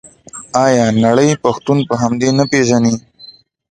آیا نړۍ پښتون په همدې نه پیژني؟